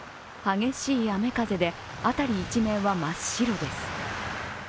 激しい雨風で辺り一面は真っ白です。